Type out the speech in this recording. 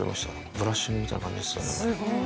ブラッシングみたいな感じですよ